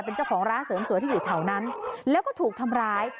เป็นเจ้าของร้านเสริมสวยที่อยู่แถวนั้นแล้วก็ถูกทำร้าย